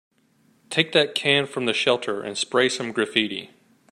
Take that can from the shelter and spray some graffiti.